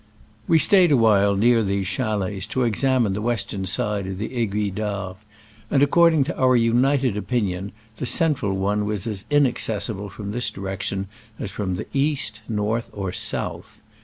We stayed a while near these chalets to examine the western sides of the Aiguilles d'Arve, and, according to our united opinion, the central one was as inaccessible from this direction as from the east, north or south.